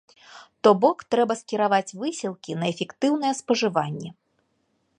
То бок трэба скіраваць высілкі на эфектыўнае спажыванне.